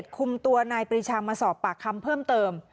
คุมตัวนายปริชามาสอบปากคำเพิ่มเติม